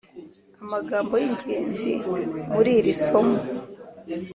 amagambo y’ingenzi muri iri somo: